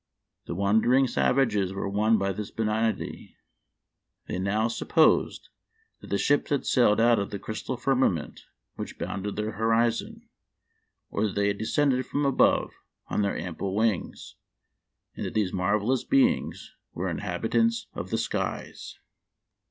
The wondering Memoir of Washington Irving. 165 savages were won by this benignity ; they now supposed that the ships had sailed out of the crystal firmament which bounded their horizon, or that they had descended from above on their ample wings, and that these marvelous beings were inhabitants of the skies."